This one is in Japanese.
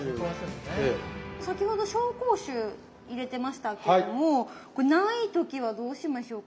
先ほど紹興酒入れてましたけどもこれない時はどうしましょうか？